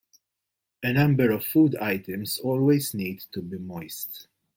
A number of food items always need to be moist.